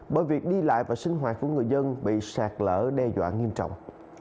bởi việc đi lại và sinh hoạt của người dân bị sạt lở đe dọa nghiêm trọng